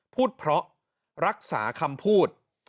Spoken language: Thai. พูดเพราะรักษาคำพูด